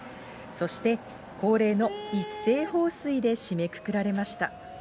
そして、恒例の一斉放水で締めくくられました。